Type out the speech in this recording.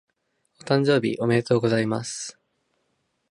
お誕生日おめでとうございます。